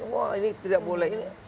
wah ini tidak boleh